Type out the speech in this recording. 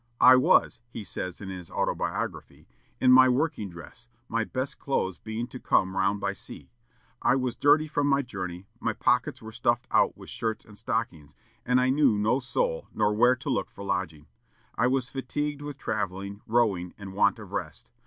"I was," he says in his autobiography, "in my working dress, my best clothes being to come round by sea. I was dirty from my journey; my pockets were stuffed out with shirts and stockings, and I knew no soul nor where to look for lodging. I was fatigued with travelling, rowing, and want of rest.